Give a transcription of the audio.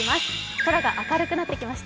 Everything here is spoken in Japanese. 空が明るくなってきました。